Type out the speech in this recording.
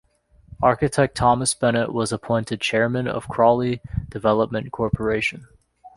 Architect Thomas Bennett was appointed chairman of Crawley Development Corporation.